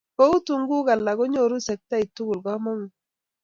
ko u tunguk alak konyorun sectait tugul kamangut